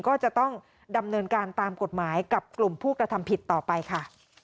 ก็จะต้องดำเนินการตามกฎหมายกับกลุ่มผู้กระทำผิดต่อไปค่ะ